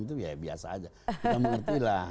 itu ya biasa saja kita mengerti itu